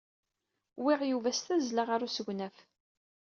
Wwiɣ Yuba s tazzla ɣer usegnaf.